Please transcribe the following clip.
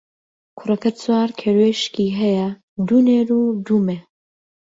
کوڕەکە چوار کەروێشکی هەیە، دوو نێر و دوو مێ.